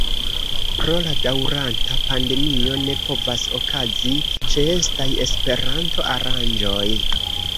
Pro la daŭranta pandemio ne povas okazi ĉeestaj Esperanto-aranĝoj.